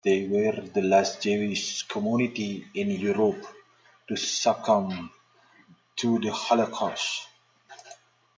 They were the last Jewish community in Europe to succumb to the Holocaust.